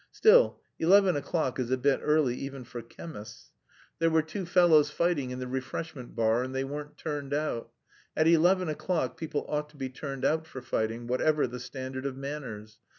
Still, eleven o'clock is a bit early even for chemists. There were two fellows fighting in the refreshment bar and they weren't turned out. At eleven o'clock people ought to be turned out for fighting, whatever the standard of manners....